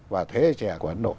và thế giới trẻ của ấn độ